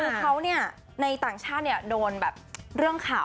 คือเขาเนี่ยในต่างชาติโดนแบบเรื่องข่าว